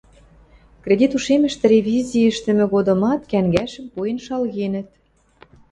Кредит ушемӹштӹ ревизии ӹштӹмӹ годымат кӓнгӓшӹм пуэн шалгенӹт.